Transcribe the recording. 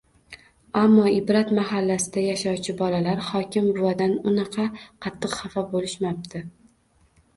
Ammo “Ibrat” mahallasida yashovchi bolalar hokim buvadan unaqa qattiq hafa boʻlishmapti.